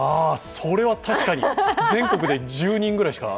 それは確かに、全国で１０人ぐらいしか。